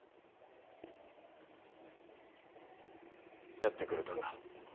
やってくれたな。